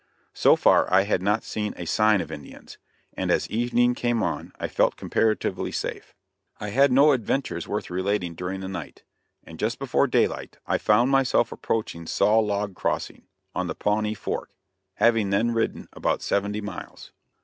So far I had not seen a sign of Indians, and as evening came on I felt comparatively safe. I had no adventures worth relating during the night, and just before daylight I found myself approaching Saw log Crossing, on the Pawnee Fork, having then ridden about seventy miles.